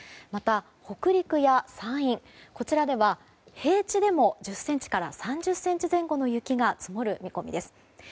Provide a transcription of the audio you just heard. また、北陸や山陰では平地でも１０ｃｍから３０ｃｍの雪が積もる見込みです。